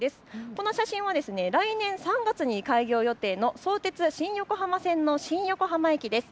この写真は来年３月に開業予定の相鉄新横浜線の新横浜駅です。